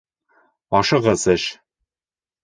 Ашығыс эш.